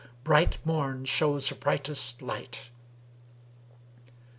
bright Morn shows brightest light."